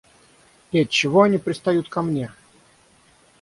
И отчего они пристают ко мне?